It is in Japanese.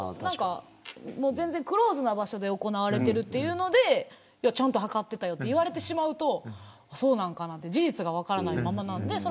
全然クローズな場所で行われているというのでちゃんと測っていたよと言われてしまうとそうなんかなと事実が分からないままなので。